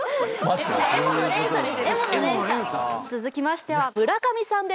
続きましては村上さんです。